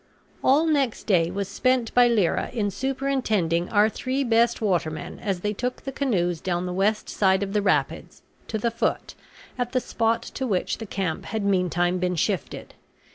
All next day was spent by Lyra in superintending our three best watermen as they took the canoes down the west side of the rapids, to the foot, at the spot to which the camp had meantime been shifted.